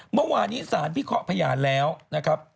เมื่อวานี้สารพิเคราะห์พยานแล้วนะครับ